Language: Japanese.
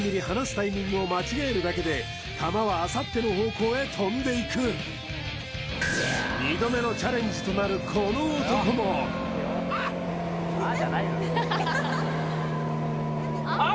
タイミングを間違えるだけで球はあさっての方向へ飛んでいく２度目のチャレンジとなるこの男もあっ！